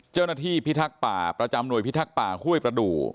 เจ้าหน้าที่พิทักษ์ป่าประจำหน่วยพิทักษ์ป่าคุ้ยประดูก